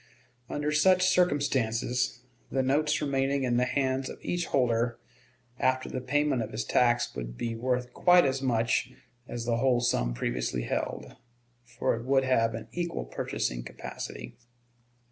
Under such circumstances, the notes remaining in the hands of each holder after the payment of his tax would be worth quite as much as the whole sum previously held, for it would have an equal purchasing capacity.